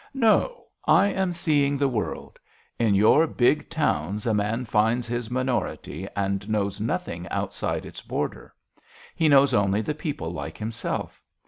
" No, I am seeing the world. In your big towns a man finds his minority and knows nothing outside its border. He knows only the people like himself.